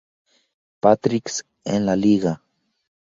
Patrick's en la liga.